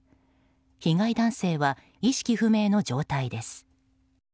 被害男性は、意識不明の状態です。